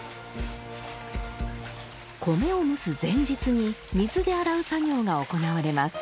米を蒸す前日に水で洗う作業が行われます。